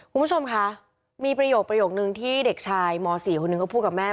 คุณผู้ชมคะมีประโยคนึงที่เด็กชายม๔คนหนึ่งเขาพูดกับแม่